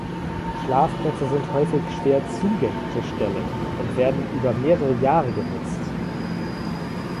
Schlafplätze sind häufig schwer zugängliche Stellen und werden über mehrere Jahre genutzt.